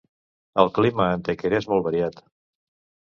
El clima a Antequera és molt variat.